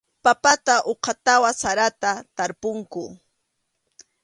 Papata uqata sarata tarpunku.